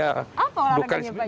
apa olahraganya pak jk biasanya